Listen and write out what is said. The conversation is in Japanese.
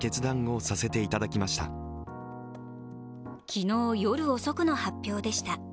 昨日夜遅くの発表でした。